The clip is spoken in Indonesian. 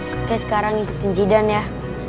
kakek sekarang ikutin zidan ya